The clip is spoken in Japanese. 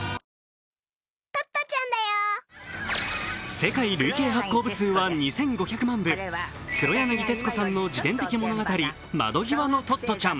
世界累計発行部数は２５００部、黒柳徹子さんの自伝的物語「窓際のトットちゃん」。